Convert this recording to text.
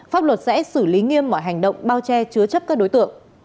pháp luật sẽ xử lý nghiêm mọi hành động bao che chứa chấp các đối tượng